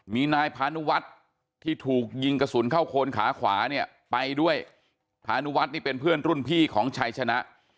มีนายพานุวัฒน์ที่ถูกยิงกระสุนเข้าโคนขาขวาเนี่ยไปด้วยพานุวัฒน์นี่เป็นเพื่อนรุ่นพี่ของชัยชนะ